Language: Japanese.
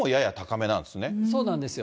そうなんですよ。